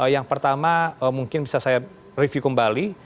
yang pertama mungkin bisa saya review kembali